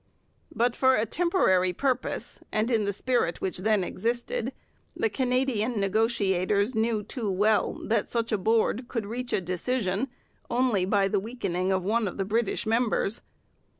But for a temporary purpose, and in the spirit which then existed, the Canadian negotiators knew too well that such a board could reach a decision only by the weakening of one of the British members.